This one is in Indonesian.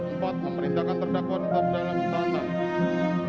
empat memerintahkan terdakwa tetap dalam tahapan